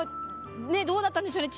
どうだったんでしょうね。